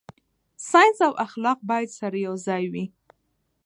ساينس او اخلاق باید سره یوځای وي.